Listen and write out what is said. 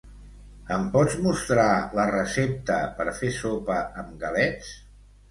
Em pots mostrar la recepta per fer sopa amb galets?